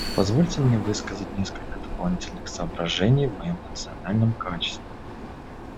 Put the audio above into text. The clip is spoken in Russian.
Позвольте мне высказать несколько дополнительных соображений в моем национальном качестве.